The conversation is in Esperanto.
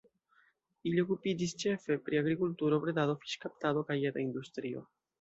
Ili okupiĝis ĉefe pri agrikulturo, bredado, fiŝkaptado kaj eta industrio.